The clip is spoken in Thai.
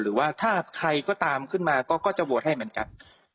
หรือว่าถ้าใครก็ตามขึ้นมาก็จะโหวตให้เหมือนกัน